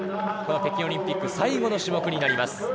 この北京オリンピック最後の種目になります。